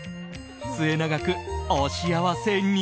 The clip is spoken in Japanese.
末永くお幸せに！